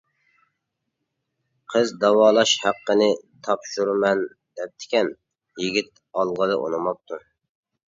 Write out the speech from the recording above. قىز داۋالاش ھەققىنى تاپشۇرىمەن دەپتىكەن، يىگىت ئالغىلى ئۇنىماپتۇ.